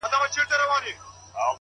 o د اختر سهار ته مي ـ